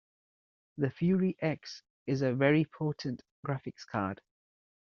The Fury X is a very potent graphics card.